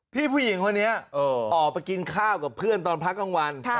ผู้หญิงคนนี้ออกไปกินข้าวกับเพื่อนตอนพักกลางวัน